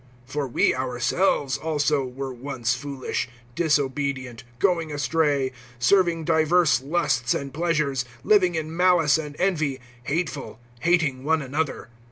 (3)For we ourselves also were once foolish, disobedient, going astray, serving divers lusts and pleasures, living in malice and envy, hateful, hating one another.